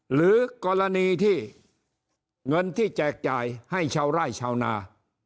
หรือกรณีที่เงินที่แจกจ่ายให้ชาวไร่ชาวนา